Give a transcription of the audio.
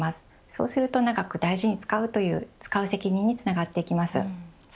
そうすると長く大事に使う使う責任につながっていきます。